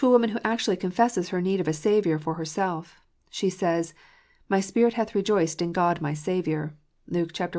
woman who actually confesses her need of a Savour for herself. She says, "My spirit hath rejoiced in God my Saviour." (Luke i.